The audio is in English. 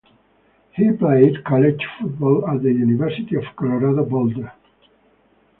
He played college football at the University of Colorado Boulder.